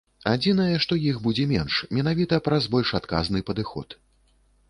Адзінае, што іх будзе менш, менавіта праз больш адказны падыход.